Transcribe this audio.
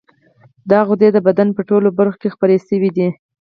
دا غدې د بدن په ټولو برخو کې خپرې شوې دي.